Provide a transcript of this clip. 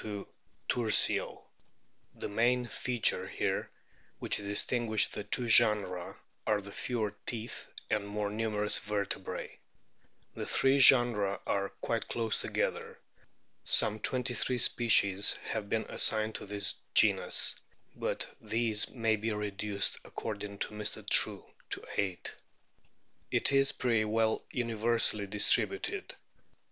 to Tursio ; the main features here which distinguish the two genera are the fewer teeth and o o more numerous vertebrae. The three orenera are O quite close together. Some twenty three species have been assigned to this genus ; but these may be reduced, according to Mr. True, to eio ht. It is o o pretty well universally distributed.